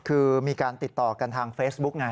คือมีการติดต่อกันทางเฟซบุ๊กไง